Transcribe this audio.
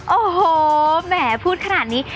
โอ้โหแหมพูดขนาดนี้